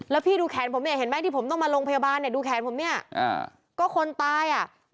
แล้วพี่ดูแขนผมเนี่ยเห็นมั้ยที่ผมต้องมาโรงพยาบาลเนี่ย